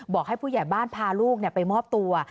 ให้ผู้ใหญ่บ้านพาลูกไปมอบตัว